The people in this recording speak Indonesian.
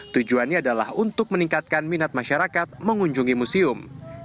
tujuannya adalah untuk meningkatkan minat masyarakat mengunjungi museum